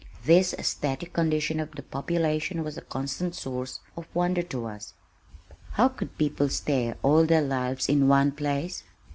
This static condition of the population was a constant source of wonder to us. How could people stay all their lives in one place?